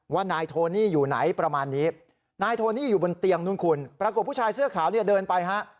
ว่านายโทนี่อยู่ไหนประมาณนี้นายโทนี่อยู่บนเตียงนู้นคุณปรากฏผู้ชายเสื้อขาวเนี่ยเดินไปฮะ